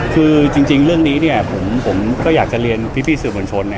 คือจริงเรื่องนี้ผมก็อยากจะเรียนพิภีศุภวัญชน